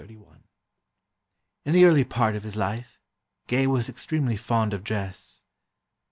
In the early part of his life Gay was extremely fond of dress....